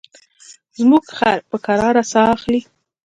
زموږ خر په کراره ساه اخلي.